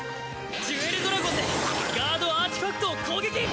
ジュエルドラゴンでガードアーティファクトを攻撃。